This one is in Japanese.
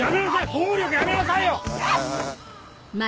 暴力やめなさいよ！